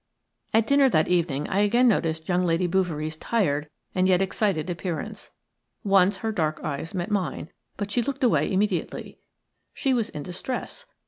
At dinner that evening I again noticed young Lady Bouverie's tired and yet excited appearance. Once her dark eyes met mine, but she looked away immediately, She was in distress.